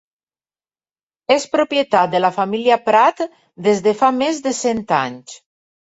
És propietat de la família Prat des de fa més de cent anys.